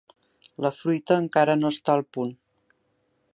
La fruita encara no està al punt.